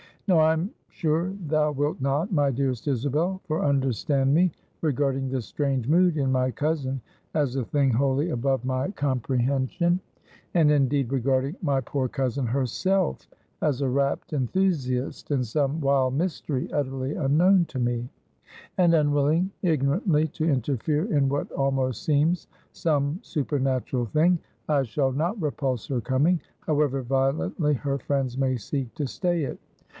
No, I am sure thou wilt not, my dearest Isabel. For, understand me, regarding this strange mood in my cousin as a thing wholly above my comprehension, and indeed regarding my poor cousin herself as a rapt enthusiast in some wild mystery utterly unknown to me; and unwilling ignorantly to interfere in what almost seems some supernatural thing, I shall not repulse her coming, however violently her friends may seek to stay it.